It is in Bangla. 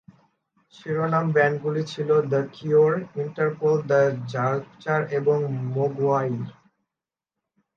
শিরোনাম ব্যান্ডগুলি ছিল the Cure, Interpol, the Rapture, এবং মোগওয়াই।